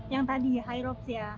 yang tadi high robs ya